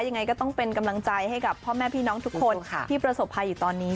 ยังไงก็ต้องเป็นกำลังใจให้กับพ่อแม่พี่น้องทุกคนที่ประสบภัยอยู่ตอนนี้